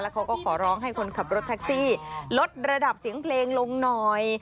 เขาก็ขอร้องให้คนขับรถแท็กซี่ลดระดับเสียงเพลงลงหน่อย